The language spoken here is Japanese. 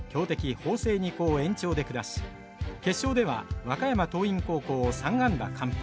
法政二高を延長で下し決勝では和歌山桐蔭高校を３安打完封。